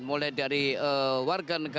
mulai dari warga negara yang berpenghasilan